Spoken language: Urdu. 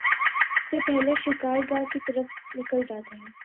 سے پہلے شکار گاہ کی طرف نکل جاتے ہیں